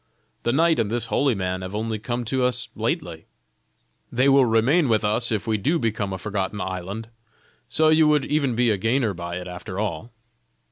The knight and this holy man have only come to as lately. They will remain with us if we do become a forgotten island; so you would even be a gainer by it after all."